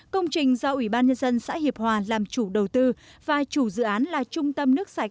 công trình do ủy ban nhân dân xã hiệp hòa làm chủ đầu tư và chủ dự án là trung tâm nước sạch